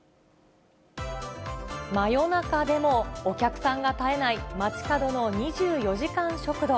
真夜中でもお客さんが絶えない街角の２４時間食堂。